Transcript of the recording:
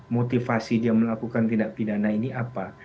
motivasi dia melakukan tindak pidana ini apa